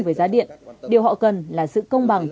về giá điện điều họ cần là sự công bằng